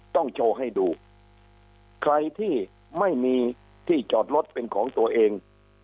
ต้องโชว์ให้ดูใครที่ไม่มีที่จอดรถเป็นของตัวเอง